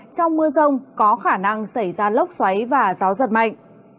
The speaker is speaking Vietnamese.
trong mưa rông có khả năng xảy ra lốc xoáy và gió giật mạnh